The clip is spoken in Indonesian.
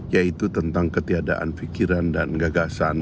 yaitu tentang ketiadaan pikiran dan gagasan